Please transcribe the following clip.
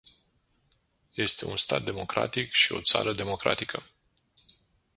Este un stat democratic și o țară democratică.